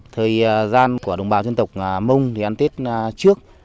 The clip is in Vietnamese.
thời gian của đồng bào dân tộc mông thì ăn tết trước